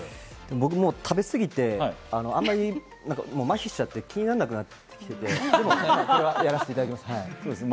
僕、食べ過ぎて、まひしちゃって気になんなくなってて、でもこれはやらせていただきます。